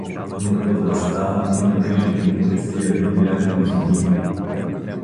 Нито възрастта, нито грижите му през тия дни бяха го изменили.